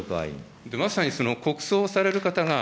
まさにその国葬をされる方が、